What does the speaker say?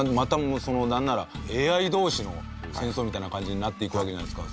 なんならＡＩ同士の戦争みたいな感じになっていくわけじゃないですか。